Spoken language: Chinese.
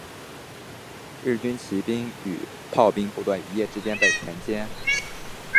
日军骑兵与炮兵部队一夜之间被全歼。